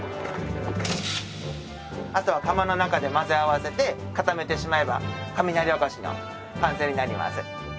あとは釜の中で混ぜ合わせて固めてしまえば雷おこしの完成になります。